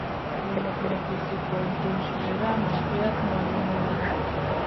د مقناطیسي کوانټم شمېره موقعیت معلوموي.